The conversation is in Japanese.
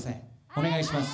お願いします。